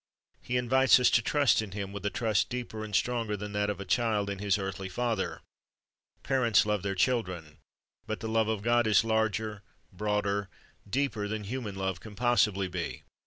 He invites us to trust in Him with a trust deeper and stronger than that of a child in his earthly father. Parents love their children, but the love of God is larger, broader, deeper than human love can possibly be.